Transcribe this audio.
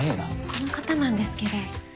この方なんですけど。